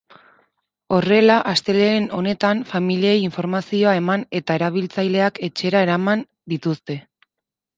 Horrela, astelehen honetan familiei informazioa eman eta erabiltzaileak etxera eraman dituzte.